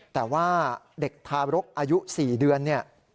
แต่ว่าเด็กทารกอายุ๔เดือน